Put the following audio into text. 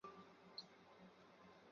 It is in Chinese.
该湖的主要沉积物是芒硝。